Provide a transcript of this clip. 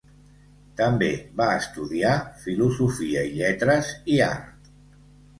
També va estudiar Filosofia i Lletres i Art.